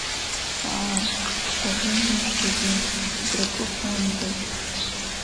Аа, хәырџьын мыждагьы, акракыхуандаз…